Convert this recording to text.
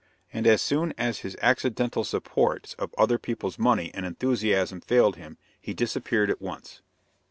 And as soon as his accidental supports of other people's money and enthusiasm failed him, he disappeared at once.